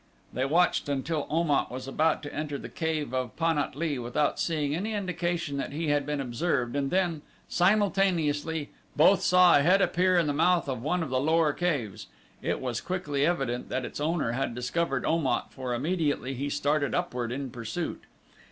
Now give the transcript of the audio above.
They watched until Om at was about to enter the cave of Pan at lee without seeing any indication that he had been observed and then, simultaneously, both saw a head appear in the mouth of one of the lower caves. It was quickly evident that its owner had discovered Om at for immediately he started upward in pursuit.